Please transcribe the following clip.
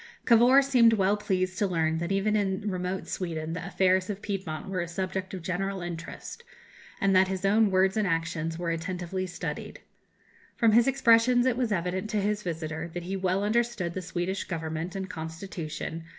Cavour seemed well pleased to learn that even in remote Sweden the affairs of Piedmont were a subject of general interest, and that his own words and actions were attentively studied. From his expressions it was evident to his visitor that he well understood the Swedish government and constitution.